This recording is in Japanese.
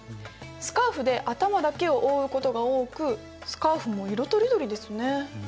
スカーフで頭だけを覆うことが多くスカーフも色とりどりですね。